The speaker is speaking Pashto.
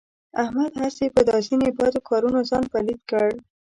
احمد هسې په دا ځنې بدو کارونو ځان پلیت کړ.